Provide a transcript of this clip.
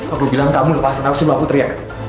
aku bilang kamu lepasin aku sebelum aku teriak